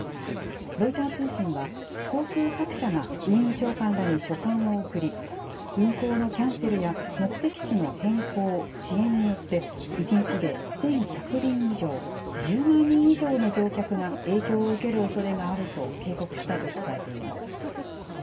ロイター通信は、航空各社が運輸長官らに書簡を送り、運航のキャンセルや目的地の変更、遅延によって、１日で１１００便以上、１０万人以上の乗客が影響を受けるおそれがあると警告したと伝えています。